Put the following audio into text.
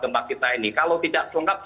gempa kita ini kalau tidak selengkap